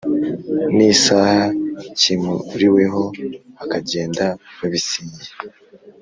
N isaha cyimuriweho bakagenda babisinyiye